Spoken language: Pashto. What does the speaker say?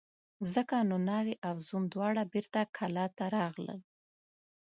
ځکه نو ناوې او زوم دواړه بېرته کلاه ته راغلل.